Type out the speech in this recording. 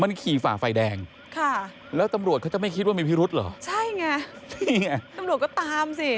มันขี่ฝ่าไฟแดงค่ะแล้วตำรวจเขาจะไม่คิดว่ามีพิรุษเหรอใช่ไงนี่ไงตำรวจก็ตามสิ